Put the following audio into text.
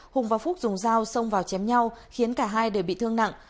hùng và phúc dùng dao xông vào chém nhau khiến cả hai đều bị thương nặng